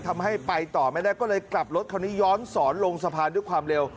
ทำให้ไปต่อไม่ได้ก็เลยกลับรถคันนี้ย้อนสอนลงสะพานด้วยความเร็ว